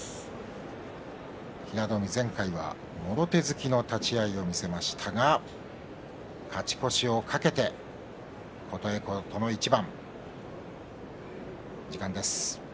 平戸海、前回はもろ手突きの立ち合いを見せましたが勝ち越しを懸けて琴恵光との一番。